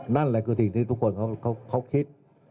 นั่นแหละคือสิ่งที่ทุกคนเขาคิด